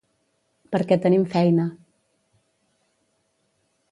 Perquè tenim feina.